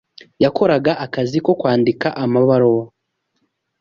Yakoraga akazi ko kwandika amabaruwa.